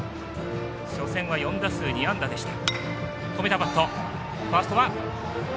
初戦は４打数２安打でした。